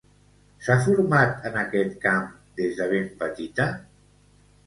S'ha format en aquest camp des de ben petita?